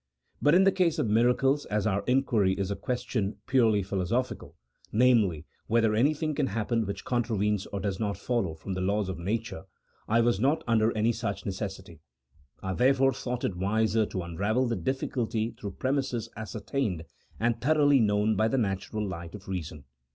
But in the case of miracles, as our inquiry is a question purely philosophical (namely, whether anything can happen which contravenes, or does not follow from the laws of nature), I was not under any such necessity : I therefore thought it wiser to unravel the difficulty through premises ascertained and thoroughly known by the natural light of reason.